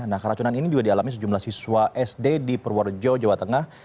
nah keracunan ini juga dialami sejumlah siswa sd di purworejo jawa tengah